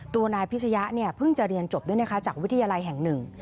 ตัวนายพิชยะเนี่ยเพิ่งจะเรียนจบด้วยนะคะจากวิทยาลัยแห่งหนึ่ง